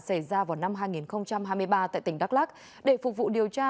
xảy ra vào năm hai nghìn hai mươi ba tại tỉnh đắk lắc để phục vụ điều tra